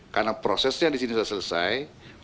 karena prosesnya disini sudah selesai